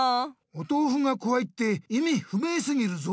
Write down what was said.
おとうふがこわいって意味不明すぎるぞ。